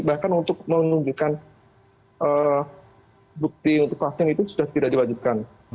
bahkan untuk menunjukkan bukti untuk pasien itu sudah tidak diwajibkan